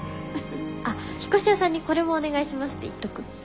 あっ引っ越し屋さんにこれもお願いしますって言っとく。